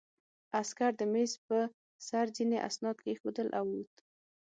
عسکر د مېز په سر ځینې اسناد کېښودل او ووت